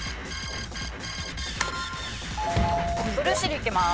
ブルーシールいきます。